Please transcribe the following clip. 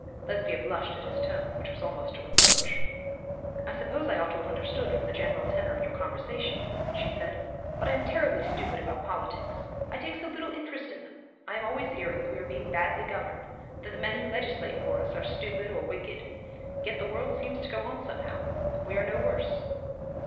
Lesbia blushed at his tone, which was almost a reproach. 'I suppose I ought to have understood from the general tenor of your conversation,' she said; 'but I am terribly stupid about politics. I take so little interest in them. I am always hearing that we are being badly governed that the men who legislate for us are stupid or wicked; yet the world seems to go on somehow, and we are no worse.'